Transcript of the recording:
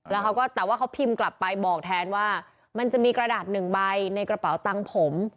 แล้วเขาก็แต่ว่าเขาพิมพ์กลับไปบอกแทนว่ามันจะมีกระดาษหนึ่งใบในกระเป๋าตังค์ผม